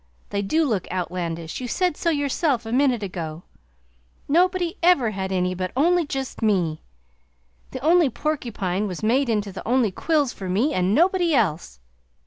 They do look outlandish, you said so yourself a minute ago. Nobody ever had any but only just me! The only porcupine was made into the only quills for me and nobody else!